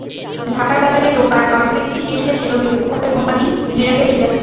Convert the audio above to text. ঢাকার বাজারে রোববার দরবৃদ্ধির শীর্ষে ছিল বিবিধ খাতের কোম্পানি মিরাকেল ইন্ডাস্ট্রি।